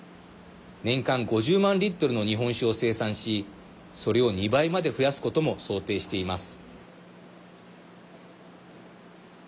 年間５０万リットルの日本酒を生産しそれを２倍まで増やすことも想定しています。